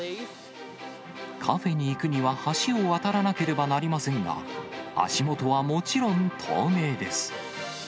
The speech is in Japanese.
カフェに行くには橋を渡らなければなりませんが、足元はもちろん、透明です。